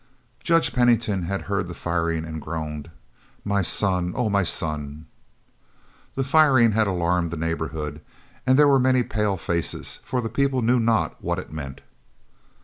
Judge Pennington heard the firing and groaned, "My son, oh, my son!" The firing had alarmed the neighborhood, and there were many pale faces, for the people knew not what it meant.